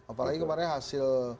apalagi kemarin hasil